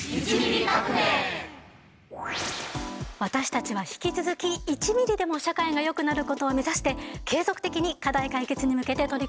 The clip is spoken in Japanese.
私たちは引き続き１ミリでも社会がよくなることを目指して継続的に課題解決に向けて取り組んでいきます。